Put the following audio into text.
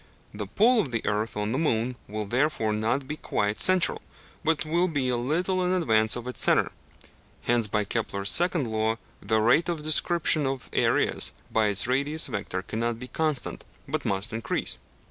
The pull of the earth on the moon will therefore not be quite central, but will be a little in advance of its centre; hence, by Kepler's second law, the rate of description of areas by its radius vector cannot be constant, but must increase (p.